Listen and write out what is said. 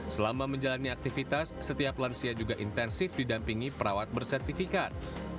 selama menjalani aktivitas setiap lansia juga intensif didampingi perawat bersertifikat